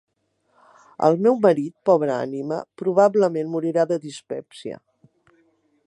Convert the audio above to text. El meu marit, pobra ànima, probablement morirà de dispèpsia.